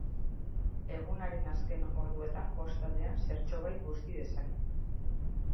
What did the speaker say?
Egunaren azken orduetan kostaldean zertxobait busti dezake.